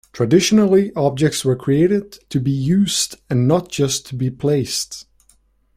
Traditionally objects were created to be used and not just to be placed.